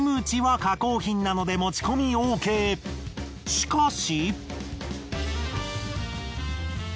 しかし。